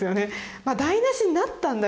「まあ台なしになったんだよ。